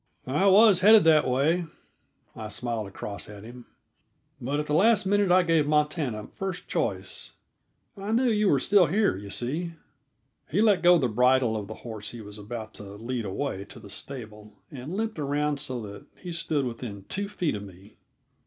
"I was headed that way," I smiled across at him, "but at the last minute I gave Montana first choice; I knew you were still here, you see." He let go the bridle of the horse he was about to lead away to the stable, and limped around so that he stood within two feet of me.